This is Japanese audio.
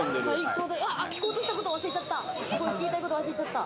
聞こうとしたこと忘れちゃった。